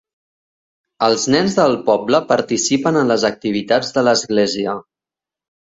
Els nens del poble participen en les activitats de l'església.